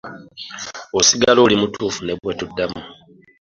Osigala oli mutuufu ne bwe tuddamu.